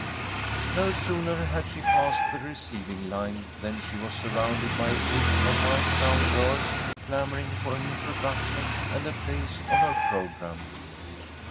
No sooner had she passed the receiving line than she was surrounded by a group of white gowned girls clamouring for an introduction and a place on her programme.